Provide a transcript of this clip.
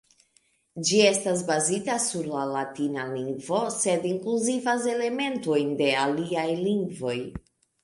Ĝi estas bazita sur la latina lingvo, sed inkluzivas elementojn de aliaj lingvoj.